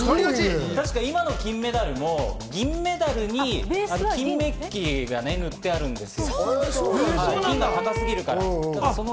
確か今の金メダルも銀メダルに金メッキしてあるんです。